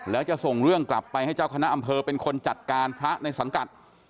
แล้วจะส่งเรื่องกลับไปให้เจ้าคณะอำเภอเป็นคนจัดการพระในสังกัด